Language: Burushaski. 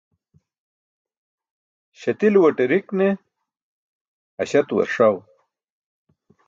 Śatiluwate rik ne aśaatuwar ṣaw